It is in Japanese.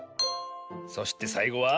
そしてさいごは。